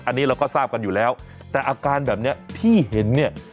อันนี้เราก็ทราบกันอยู่แล้วแต่อาการแบบนี้ที่เห็นเนี่ย